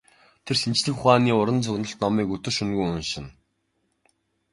Тэр шинжлэх ухааны уран зөгнөлт номыг өдөр шөнөгүй уншина.